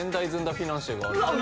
フィナンシェがある・